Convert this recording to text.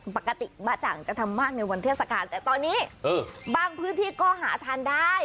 ปกติบะจ่างจะทำมากในวันเทศกาลแต่ตอนนี้บางพื้นที่ก็หาทานได้